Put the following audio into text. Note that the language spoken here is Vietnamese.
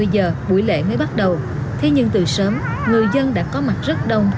hai mươi giờ buổi lễ mới bắt đầu thế nhưng từ sớm người dân đã có mặt rất đông